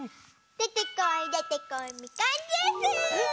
でてこいでてこいみかんジュース！